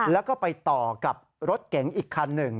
แล้วก็ไปต่อกับรถเก๋งอีกคันหนึ่ง